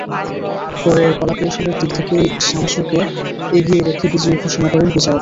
পরে কলাকৌশলের দিক থেকে সামশুকে এগিয়ে রেখে বিজয়ী ঘোষণা করেন বিচারকেরা।